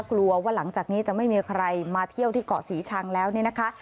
กลัวว่าหลังจากนี้จะไม่มีใครมาเที่ยวที่เกาะศรีชังแล้วเนี่ยนะคะ